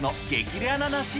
レアな梨。